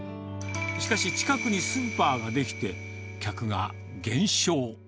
しかし、近くにスーパーが出来て、客が減少。